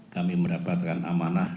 kami mendapatkan amanah